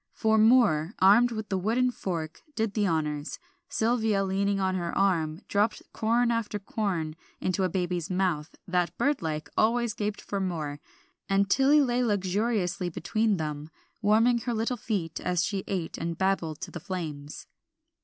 For Moor, armed with the wooden fork, did the honors; Sylvia, leaning on her arm, dropped corn after corn into a baby mouth that bird like always gaped for more; and Tilly lay luxuriously between them, warming her little feet as she ate and babbled to the flames.